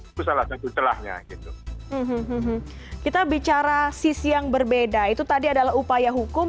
itu salah satu celahnya gitu kita bicara sisi yang berbeda itu tadi adalah upaya hukum